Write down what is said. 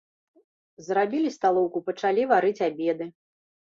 Зрабілі сталоўку, пачалі варыць абеды.